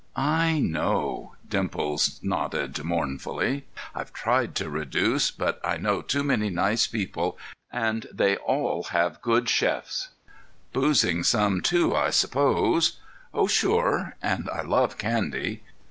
"I know," Dimples nodded mournfully. "I've tried to reduce, but I know too many nice people, and they all have good chefs." "Boozing some, too, I suppose?" "Oh, sure! And I love candy."